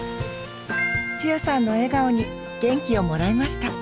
千代さんの笑顔に元気をもらいました。